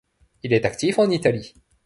Il est actif en Italie.